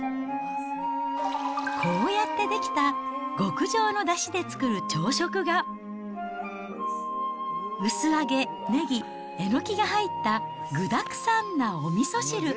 こうやって出来た極上のだしで作る朝食が、薄揚げ、ねぎ、えのきが入った具だくさんなおみそ汁。